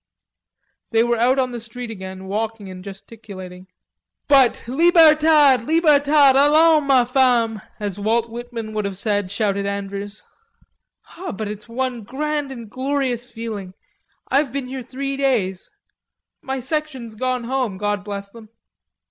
They were out in the street again, walking and gesticulating. "But 'Libertad, Libertad, allons, ma femme!' as Walt Whitman would have said," shouted Andrews. "It's one grand and glorious feeling.... I've been here three days. My section's gone home; God bless them."